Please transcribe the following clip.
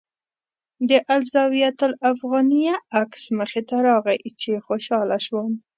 د الزاویة الافغانیه عکس مخې ته راغی چې خوشاله شوم.